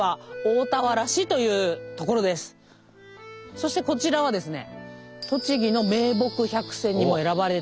そしてこちらはですね